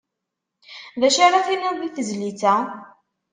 D acu ara tiniḍ di tezlit-a?